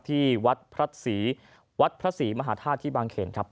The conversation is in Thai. ที่วัดพระศรีวัดพระศรีมหาธาตุที่บางเขนครับ